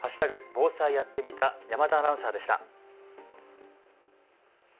＃防災やってみた、山田アナウンサーでした。